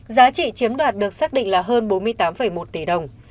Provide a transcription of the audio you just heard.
giá trị chiếm đoạt được xác định là hơn bốn mươi tám một tỷ đồng